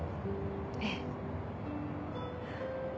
ええ。